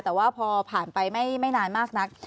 แต่ว่าพอผ่านไปไม่นานมากนัก